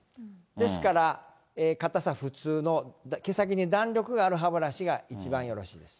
ですから硬さ普通の毛先に弾力がある歯ブラシが一番よろしいです。